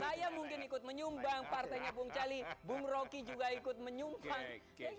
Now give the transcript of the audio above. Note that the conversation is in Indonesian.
saya mungkin ikut menyumbang partainya bung cali bung rocky juga ikut menyumbang